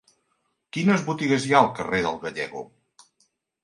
Quines botigues hi ha al carrer del Gállego?